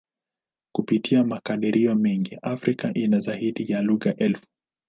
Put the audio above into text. Kupitia makadirio mengi, Afrika ina zaidi ya lugha elfu.